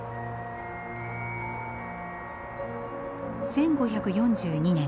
１５４２年